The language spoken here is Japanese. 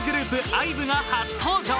ＩＶＥが初登場。